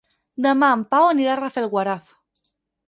Demà en Pau anirà a Rafelguaraf.